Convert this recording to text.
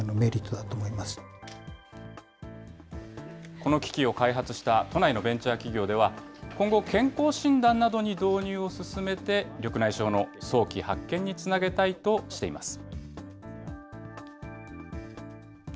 この機器を開発した都内のベンチャー企業では、今後、健康診断などに導入を進めて、緑内障の早期発見につなげたいとしています。